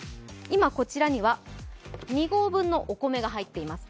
今こちらには２合分のお米が入っています。